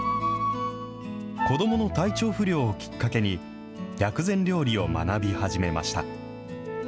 子どもの体調不良をきっかけに、薬膳料理を学び始めました。